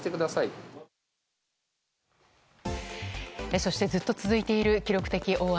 そしてずっと続いている記録的大雨。